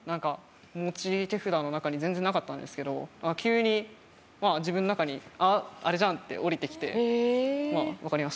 持ち手札の中に全然なかったんですけど急に自分の中に「あれじゃん！」って降りて来て分かりました。